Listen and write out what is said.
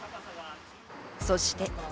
そして。